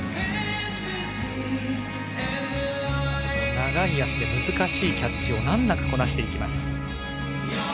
長い足で難しいキャッチを難なくこなしていきます。